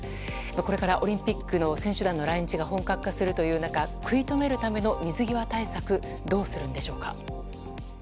これからオリンピックの選手団の来日が本格化するという中食い止めるための水際対策どうするんでしょうか。